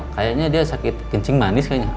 kayaknya dia sakit kencing manis kayaknya